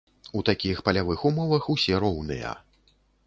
У такіх палявых умовах ўсе роўныя.